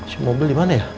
si mobil dimana ya